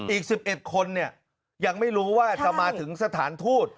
อีก๑๑คนยังไม่รู้ว่าจะมาถึงสถานทูต